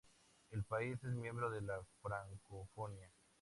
El país es miembro de la Francofonía.